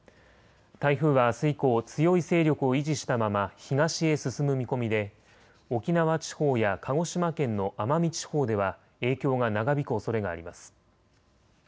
台風はあす以降、強い勢力を維持したまま東へ進む見込みで沖縄地方や鹿児島県の奄美地方では影響が長引くおそれがあります。